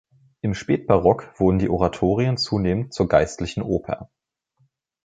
Im Spätbarock wurden die Oratorien zunehmend zur „geistlichen Oper“.